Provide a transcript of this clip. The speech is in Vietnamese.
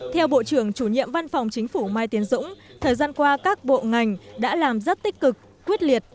theo bộ trưởng chủ nhiệm văn phòng chính phủ mai tiến dũng thời gian qua các bộ ngành đã làm rất tích cực quyết liệt